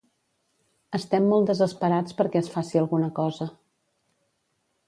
Estem molt desesperats perquè es faci alguna cosa.